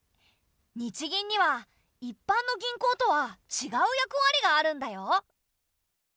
日銀には一般の銀行とはちがう役割があるんだよ。